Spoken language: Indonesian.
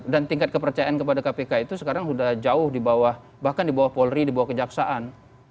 dan tingkat kepercayaan kepada kpk itu sekarang sudah jauh di bawah bahkan di bawah polri di bawah kejaksaan